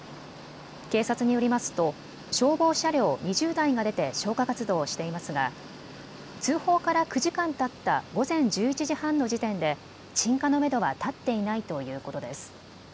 警察によりますと消防車両２０台が出て消火活動をしていますが通報から９時間たった午前１１時半の時点で鎮火のめどは立っていないということです。